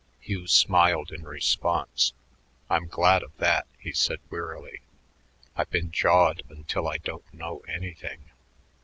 Hugh smiled in response. "I'm glad of that," he said wearily. "I've been jawed until I don't know anything."